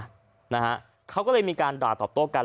เขาก็เลยกำลังมีการหลากตอบโต๊ะกัน